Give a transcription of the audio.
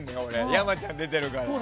山ちゃんが出てるから。